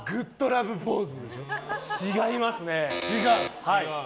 違いますね。